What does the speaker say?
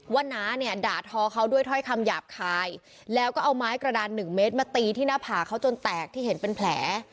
น้าเนี่ยด่าทอเขาด้วยถ้อยคำหยาบคายแล้วก็เอาไม้กระดานหนึ่งเมตรมาตีที่หน้าผาเขาจนแตกที่เห็นเป็นแผล